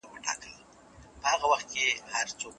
علمي کدرونه باید نویو محصلینو ته لارښوونه وکړي.